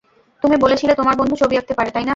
তুমি বলেছিলে তোমার বন্ধু ছবি আঁকতে পারে, তাই না?